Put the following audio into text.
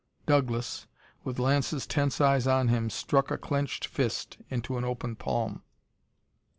Douglas, with Lance's tense eyes on him, struck a clenched fist into an open palm.